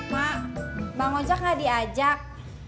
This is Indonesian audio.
mak bang onco gak diajak